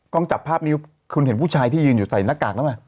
กล้องจับภาพนี้คุณเห็นผู้ชายที่ยืนใส่นักกางมั้ย